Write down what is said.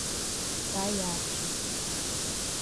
Taiaçu